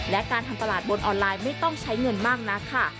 และการทำตลาดบนออนไลน์ไม่ต้องใช้เงินมากนักค่ะ